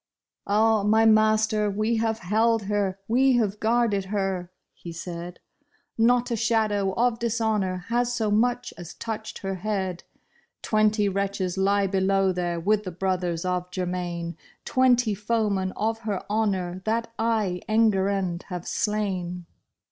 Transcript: " Ah, my master, we have held her, we have guarded her," he said ;" Not a shadow of dishonor has so much as touched her head. Twenty wretches lie below there with the brothers of Germain, Twenty foemen of her honor that I, Enguerrand, have slain.